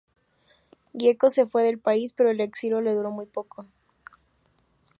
Gieco se fue del país, pero el exilio le duró muy poco.